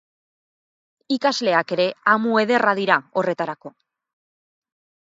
Ikasleak ere amu ederra dira horretarako.